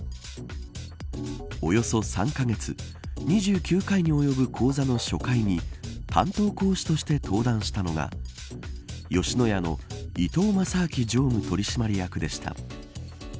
およそ３カ月２９回に及ぶ講座の初回に担当講師として登壇したのが吉野家の伊東正明常務取締役でした。